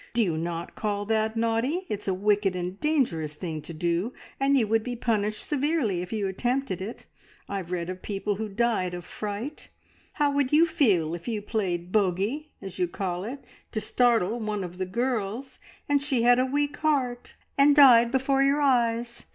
Do you not call that naughty? It's a wicked and dangerous thing to do, and you would be punished severely if you attempted it. I have read of people who died of fright. How would you feel if you played bogey, as you call it, to startle one of the girls, and she had a weak heart and died before your eyes?